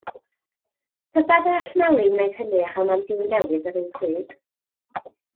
Tybed a all Mali wneud hynny a chael mam-gu newydd yr un pryd?